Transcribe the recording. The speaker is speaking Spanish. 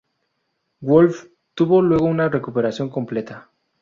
Wolff tuvo luego una recuperación completa.